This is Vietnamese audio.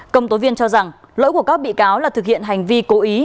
công tố viên cho rằng lỗi của các bị cáo là thực hiện hành vi cố ý